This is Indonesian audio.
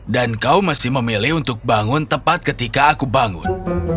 dan kau masih memilih untuk bangun tepat ketika aku bangun